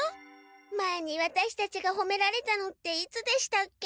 前にワタシたちがほめられたのっていつでしたっけ？